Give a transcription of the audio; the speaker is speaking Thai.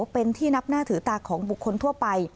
เป็นที่นับหน้าถือตาของบุคคลทั่วไป